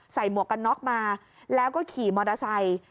หมวกกันน็อกมาแล้วก็ขี่มอเตอร์ไซค์